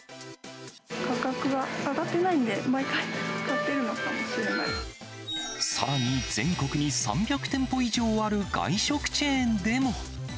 価格は上がってないんで、さらに全国に３００店舗以上ある外食チェーンでも。